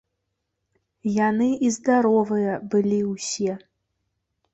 Яны і здаровыя былі ўсе.